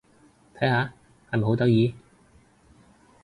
睇下！係咪好得意？